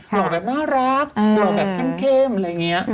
หล่อแบบน่ารักหล่อแบบเข้มอะไรอย่างนี้